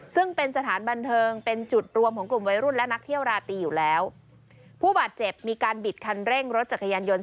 ซึ่งเป็นสถานบันเทิงเป็นจุดรวมของกลุ่มวัยรุ่นและนักเที่ยวราตรีอยู่แล้วผู้บาดเจ็บมีการบิดคันเร่งรถจักรยานยนต์